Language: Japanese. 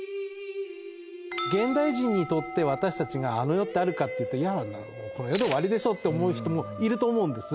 現代人にとって私たちが「あの世ってあるか？」っていうと「いやこの世で終わりでしょ」って思う人もいると思うんです。